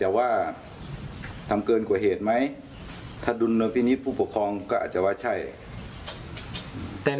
อัตตามากก็ยอมรับว่าอัตตามากก็จะใช้แบบ